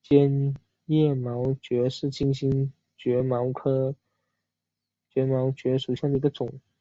坚叶毛蕨为金星蕨科毛蕨属下的一个种。